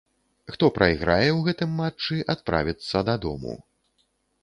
Хто прайграе ў гэтым матчы, адправіцца дадому.